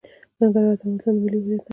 ننګرهار د افغانستان د ملي هویت نښه ده.